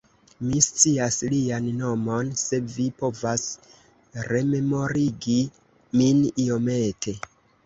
Mi scias lian nomon! Se vi povas rememorigi min iomete!